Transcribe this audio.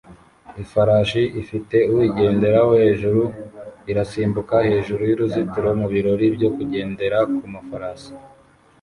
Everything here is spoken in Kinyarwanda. Ifarashi ifite uyigenderaho hejuru irasimbuka hejuru y'uruzitiro mu birori byo kugendera ku mafarasi